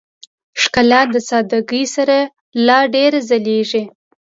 ښکلا د سادهګۍ سره لا ډېره ځلېږي.